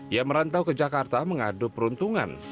ia merantau ke jakarta mengadu peruntungan